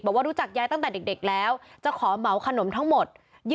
บอกว่ารู้จักยายตั้งแต่เด็กแล้วจะขอเหมาขนมทั้งหมด